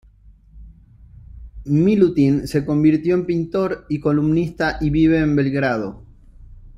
Milutin se convirtió en pintor y columnista, y vive en Belgrado.